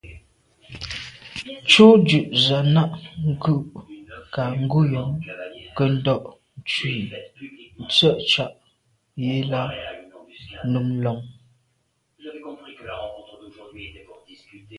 Tshù ju z’a na’ ngù kà ngùnyàm nke ndo’ ntshu i ntswe’ tsha’ yi là num lon.